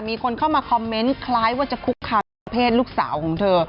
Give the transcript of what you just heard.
มีคนเข้ามาคอมเมนต์คล้ายว่าจะคุกคามทางเพศลูกสาวของเธอ